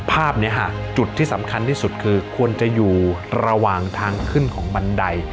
ภาพนี้จุดที่สำคัญที่สุดคือควรจะอยู่ระหว่างทางขึ้นของบันได